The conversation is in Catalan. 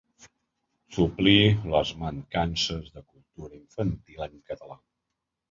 Suplir les mancances de cultura infantil en català.